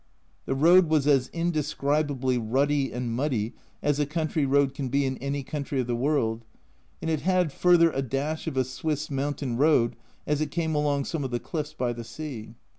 The road was as indescribably rutty and muddy as a country road can be in any country of the world, and it had further a dash of a Swiss mountain road as it came along some of the cliffs by the sea.